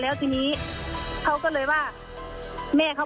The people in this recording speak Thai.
แล้วทีนี้เขาก็เอาไปบ้านแฟนเขา